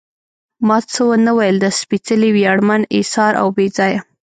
ما څه ونه ویل، د سپېڅلي، ویاړمن، اېثار او بې ځایه.